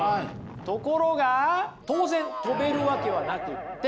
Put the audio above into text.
ところが当然飛べるわけはなくて。